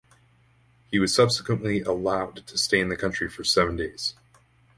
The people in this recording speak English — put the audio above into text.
He was subsequently allowed to stay in the country for seven days.